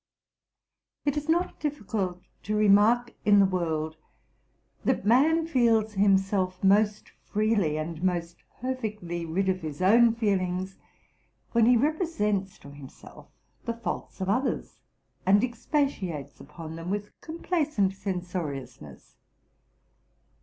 It is not difficult to remark in the world, that man feels himself most freely and most perfectly rid of his own feelings when he represents to him self the faults of others, and expatiates upon them with complacent censoriousness.